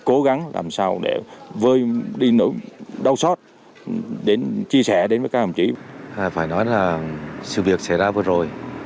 cố gắng làm sao để vơi đi đau xót đến chia sẻ đến với các đồng chí phải nói là sự việc xảy ra vừa rồi